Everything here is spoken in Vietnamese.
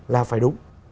là phải đúng